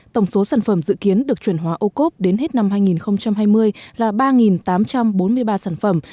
tổng số sản phẩm dự kiến được chuyển hóa ô cốp đến hết năm hai nghìn hai mươi là ba tám trăm bốn mươi ba sản phẩm